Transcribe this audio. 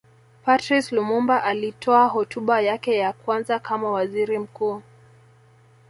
Patrice Lumumba alitoa hotuba yake ya kwanza kama Waziri mkuu